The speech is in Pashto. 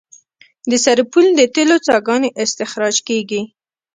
د سرپل د تیلو څاګانې استخراج کیږي